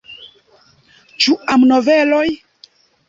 Ĉu amnoveloj?